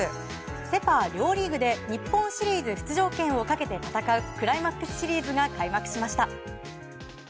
セ・パ両リーグで日本シリーズ出場権をかけて戦うクライマックスシリーズが開幕しました。